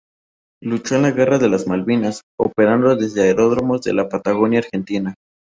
Luchó en la guerra de las Malvinas, operando desde aeródromos de la Patagonia argentina.